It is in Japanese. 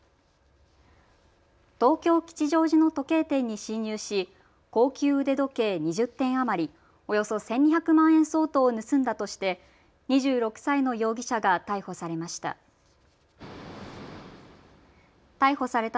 東京吉祥寺の時計店に侵入し高級腕時計２０点余り、およそ１２００万円相当を盗んだとして２６歳の容疑者が逮捕されました。